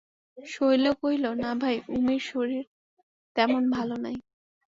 শৈল কহিল, না ভাই, উমির শরীর তেমন ভালো নাই।